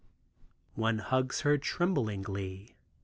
One hugs her tremblingly.